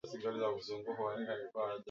mwaka elfu mbili na kumi na Saba